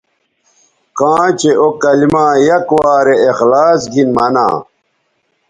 کاں چہء او کلما یک وارے اخلاص گھن منا